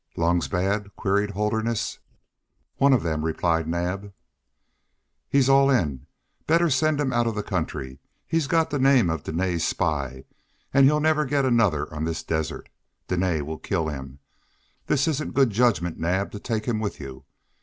"Lungs bad?" queried Holderness. "One of them," replied Naab. "He's all in. Better send him out of the country. He's got the name of Dene's spy and he'll never get another on this desert. Dene will kill him. This isn't good judgment, Naab, to take him with you.